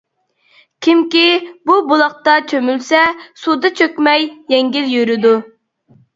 كىمكى بۇ بۇلاقتا چۆمۈلسە، سۇدا چۆكمەي، يەڭگىل يۈرىدۇ.